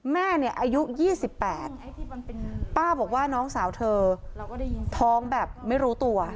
แม่เนี่ยอายุ๒๘ป้าบอกว่าน้องสาวเธอท้องแบบไม่รู้ตัว